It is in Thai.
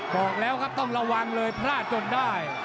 บอกแล้วครับต้องระวังเลยพลาดจนได้